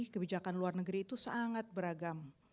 kebijakan luar negeri itu sangat beragam